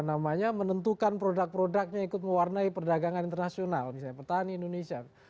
namanya menentukan produk produknya ikut mewarnai perdagangan internasional misalnya petani indonesia